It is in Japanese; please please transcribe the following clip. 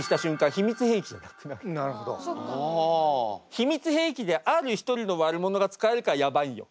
秘密兵器である一人の悪者が使えるからやばいんよ。